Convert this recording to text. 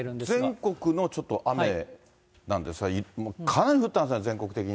全国のちょっと雨なんですが、かなり降ったんですね、全国的に。